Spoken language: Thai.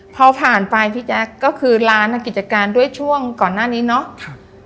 พอผ่านไปพี่แจ๊คก็คือร้านกิจการด้วยช่วงก่อนหน้านี้เนาะ